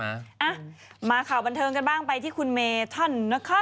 อ่ะมาข่าวบันเทิงกันบ้างไปที่คุณเมธันนะคะ